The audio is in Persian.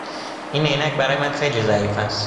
این عینک برای من خیلی ضعیف است.